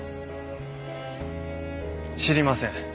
知りません。